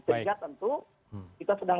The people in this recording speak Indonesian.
sehingga tentu kita sedang